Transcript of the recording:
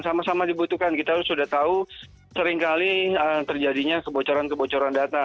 sama sama dibutuhkan kita sudah tahu seringkali terjadinya kebocoran kebocoran data